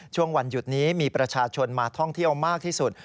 ช่วงวันหยุดนี้มีประชาชนมาท่องเที่ยวมากที่สุด